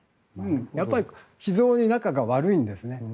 やっぱり非常に仲が悪いんですね。